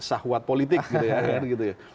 sahwat politik gitu ya